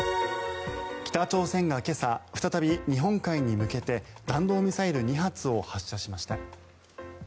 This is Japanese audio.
北朝鮮が今朝再び日本海に向けて弾道ミサイル２発を発射しました。